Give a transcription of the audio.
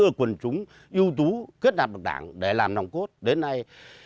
tổ chức quần chúng yếu tố kết nạp đảng để làm nòng cốt đến nay